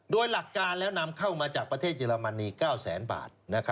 โดยหลักการแล้วนำเข้ามาจากประเทศเยอรมนี๙แสนบาท